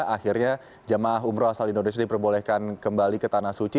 akhirnya jemaah umroh asal indonesia diperbolehkan kembali ke tanah suci